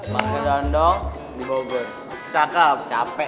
makan kedong dong dibobot cakep capek